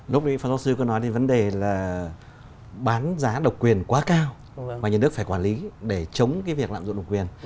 lúc nãy pháp giáo sư có nói đến vấn đề là bán giá độc quyền quá cao mà nhân đức phải quản lý để chống cái việc lạm dụng độc quyền